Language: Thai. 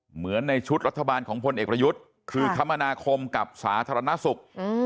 เหมือนในชุดรัฐบาลของพลเอกประยุทธ์คือคมนาคมกับสาธารณสุข